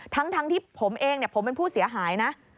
ทั้งที่ผมเองผมเป็นผู้เสียหายนะ